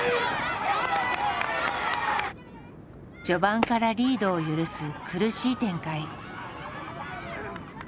序盤からリードを許す苦しい展開。